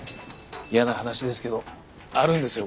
嫌な話ですけどあるんですよ